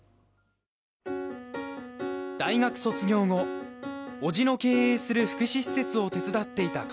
大学卒業後叔父の経営する福祉施設を手伝っていた神谷さん。